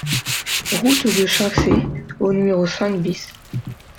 Route de Chincé au numéro cinq BIS